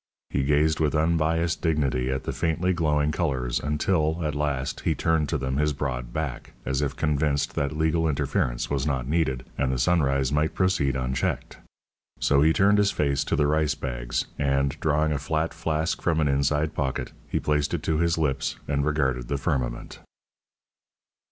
He gazed with unbiased dignity at the faintly glowing colours until, at last, he turned to them his broad back, as if convinced that legal interference was not needed, and the sunrise might proceed unchecked. So he turned his face to the rice bags, and, drawing a flat flask from an inside pocket, he placed it to his lips and regarded the firmament.